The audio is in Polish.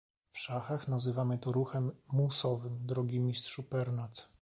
"„W szachach nazywamy to „ruchem musowym“, drogi mistrzu Pernat!"